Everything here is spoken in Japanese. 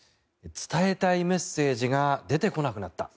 伝えたいメッセージが出てこなくなった。